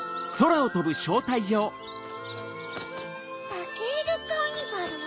・バケールカーニバル？